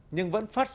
nhưng vẫn phát triển